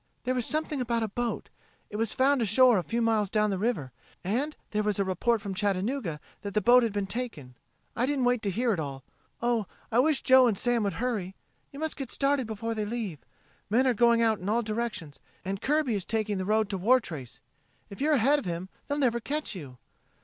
"There was something about a boat. It was found ashore a few miles down the river, and there was a report from Chattanooga that the boat had been taken. I didn't wait to hear it all. Oh, I wish Joe and Sam would hurry! You must get started before they leave. Men are going out in all directions, and Kirby is taking the road to Wartrace. If you're ahead of him they'll never catch you.